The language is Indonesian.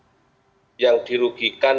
betul betul yang dirugikan